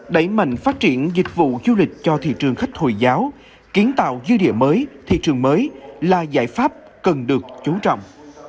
đẩy mạnh phát triển dịch vụ du lịch cho thị trường khách hồi giáo kiến tạo dư địa mới thị trường mới là giải pháp cần được chú trọng